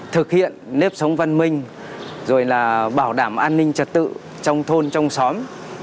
thực hiện nếp sống văn minh rồi là bảo đảm an ninh trật tự trong thôn trong xóm